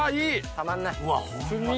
たまんない！